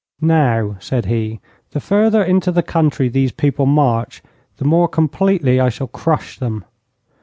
'Now,' said he, 'the further into the country these people march, the more completely I shall crush them.